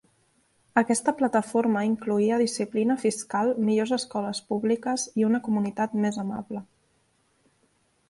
Aquesta plataforma incloïa disciplina fiscal, millors escoles públiques i una comunitat més amable.